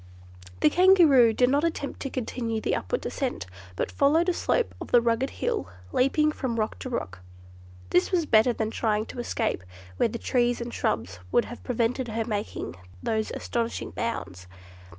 The Kangaroo did not attempt to continue the upward ascent, but followed a slope of the rugged hill, leaping from rock to rock. This was better than trying to escape where the trees and shrubs would have prevented her making those astonishing bounds.